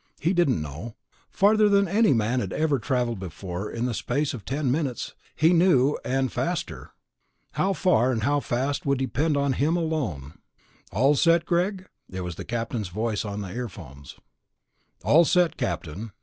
He didn't know. Farther than any man had ever traveled before in the space of ten minutes, he knew, and faster. How far and how fast would depend on him alone. "All set, Greg?" It was the captain's voice in the earphones. "All set, Captain."